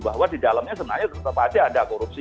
bahwa di dalamnya sebenarnya tetap aja ada korupsi